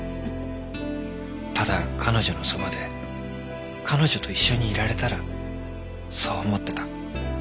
ただ彼女のそばで彼女と一緒にいられたらそう思ってた。